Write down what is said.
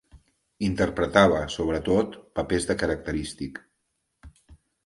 Interpretava, sobretot, papers de característic.